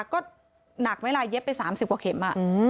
ก็หนักเวลาเย็บไป๓๐กว่าเข็ม